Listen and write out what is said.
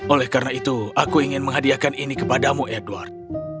oleh karena itu aku ingin menghadiahkan ini kepadamu edward